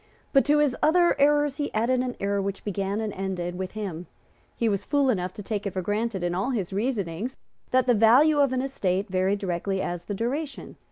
But to his other errors he added an error which began and ended with him. He was fool enough to take it for granted, in all his reasonings, that the value of an estate varied directly as the duration.